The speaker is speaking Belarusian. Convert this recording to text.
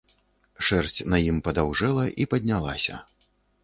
Шэрсць на ім падаўжэла і паднялася.